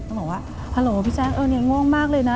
ต้องบอกว่าฮัลโหลพี่แจ๊กนี่ง่วงมากเลยนะ